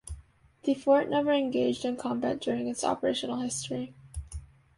The fort never engaged in combat during its operational history.